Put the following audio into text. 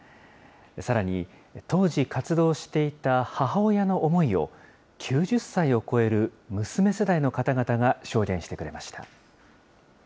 さらに、当時活動していた母親の思いを、９０歳を超える娘世代の方々が証言してくれました。